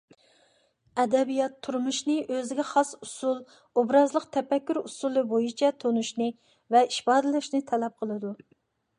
ئەدەبىيات تۇرمۇشنى ئۆزىگە خاس ئۇسۇل – ئوبرازلىق تەپەككۇر ئۇسۇلى بويىچە تونۇشنى ۋە ئىپادىلەشنى تەلەپ قىلىدۇ.